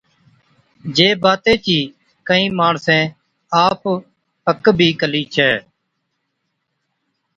جي باتي چِي ڪهِين ماڻسين آپ پڪ بِي ڪلِي ڇَي۔